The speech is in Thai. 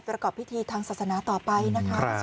ประกอบพิธีทางศาสนาต่อไปนะคะ